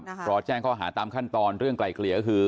รอแจ้งข้อหาตามขั้นตอนเรื่องไกลเกลี่ยก็คือ